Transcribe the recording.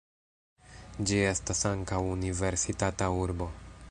Ĝi estas ankaŭ universitata urbo.